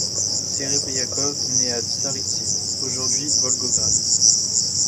Serebriakov naît à Tsaritsyne, aujourd'hui Volgograd.